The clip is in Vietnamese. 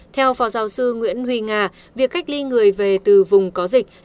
theo phó giáo sư nguyễn huy nga việc cách ly người về từ vùng có dịch